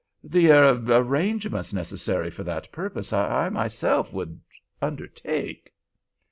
The—er—arrangements necessary for that purpose I myself would undertake."